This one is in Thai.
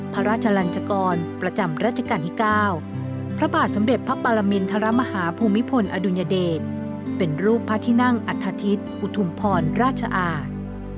พระราชลันจกรประจำรัชกาลที่๙พระบาทสมเด็จพระปรมินทรมาฮาภูมิพลอดุญเดชเป็นรูปพระที่นั่งอัฐทิศอุทุมพรราชอาจ